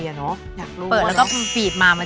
แบบหยุบแบบชุดนี่ยังไง